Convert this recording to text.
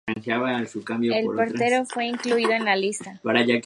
El portero fue incluido en la lista.